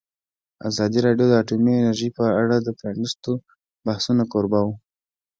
ازادي راډیو د اټومي انرژي په اړه د پرانیستو بحثونو کوربه وه.